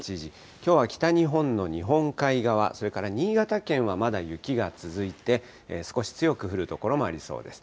きょうは北日本の日本海側、それから新潟県はまだ雪が続いて、少し強く降る所もありそうです。